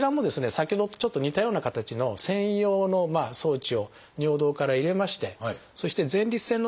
先ほどとちょっと似たような形の専用の装置を尿道から入れましてそして前立腺のですね